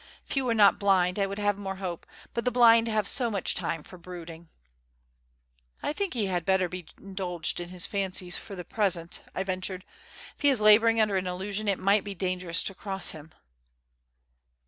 If he were not blind I would have more hope, but the blind have so much time for brooding." "I think he had better be indulged in his fancies for the present," I ventured. "If he is labouring under an illusion it might be dangerous to cross him."